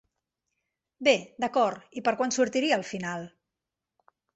Bé, d'acord, i per quan sortiria al final?